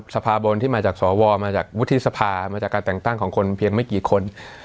สภาบนที่มาจากสวมาจากวุฒิสภามาจากการแต่งตั้งของคนเพียงไม่กี่คน